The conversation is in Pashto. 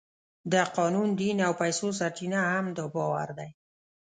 د قانون، دین او پیسو سرچینه هم دا باور دی.